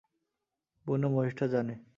বুনো মহিষটা জানে।